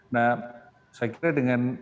nah saya kira dengan